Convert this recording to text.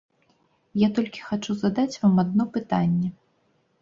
Я толькі хачу задаць вам адно пытанне.